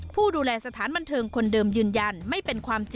ผู้ดูแลสถานบันเทิงคนเดิมยืนยันไม่เป็นความจริง